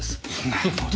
なるほど。